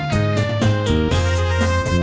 มีความรัก